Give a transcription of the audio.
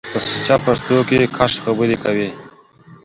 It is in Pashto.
په سوچه پښتو کښ خبرې کوٸ۔